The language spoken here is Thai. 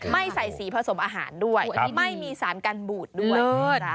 ไม่ใส่สีผสมอาหารด้วยไม่มีสารกันบูดด้วย